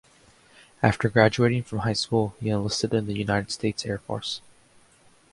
After graduating from high school, he enlisted in the United States Air Force.